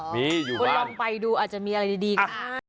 อ๋อเหรอคุณลองไปดูอาจจะมีอะไรดีค่ะมีอยู่บ้าน